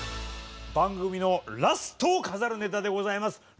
番組のラストを飾るネタでございます。